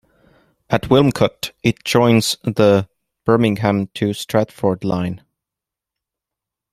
At Wilmcote, it joins the Birmingham to Stratford Line.